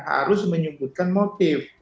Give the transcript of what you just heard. harus menyebutkan motif